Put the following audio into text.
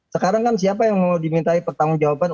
sekarang kan siapa yang mau dimintai pertanggung jawaban